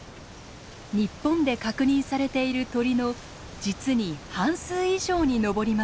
日本で確認されている鳥の実に半数以上に上ります。